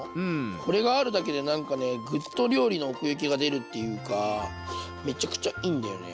これがあるだけで何かねぐっと料理の奥行きが出るっていうかめちゃくちゃいいんだよね。